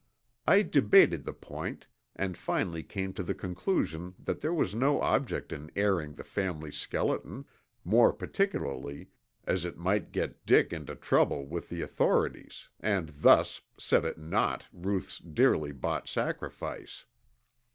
I debated the point and finally came to the conclusion that there was no object in airing the family skeleton, more particularly as it might get Dick into trouble with the authorities and thus set at naught Ruth's dearly bought sacrifice.